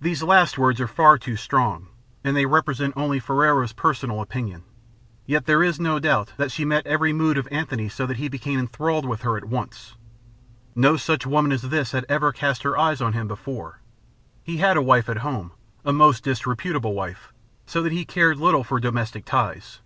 These last words are far too strong, and they represent only Ferrero's personal opinion; yet there is no doubt that she met every mood of Antony's so that he became enthralled with her at once. No such woman as this had ever cast her eyes on him before. He had a wife at home a most disreputable wife so that he cared little for domestic ties.